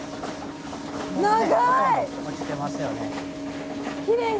長い！